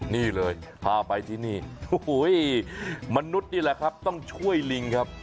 นี่เลยพาไปที่นี่มนุษย์นี่แหละครับต้องช่วยลิงครับ